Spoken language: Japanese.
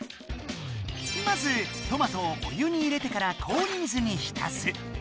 まずトマトをお湯に入れてから氷水にひたす。